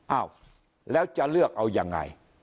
อ้าวแล้วจะเลือกเอายังไง